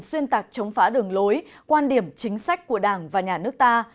xuyên tạc chống phá đường lối quan điểm chính sách của đảng và nhà nước ta